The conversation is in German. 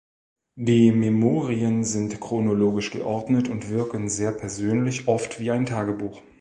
Die Memoiren sind chronologisch geordnet und wirken sehr persönlich, oft wie ein Tagebuch.